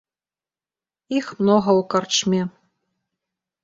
Іх многа ў карчме.